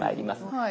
はい。